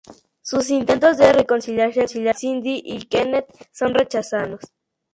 Sus intentos de reconciliarse con Cindy y Kenneth son rechazados.